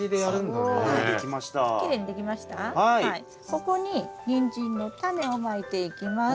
ここにニンジンのタネをまいていきます。